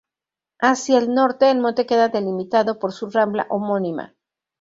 Hacia el norte, el monte queda delimitado por su rambla homónima.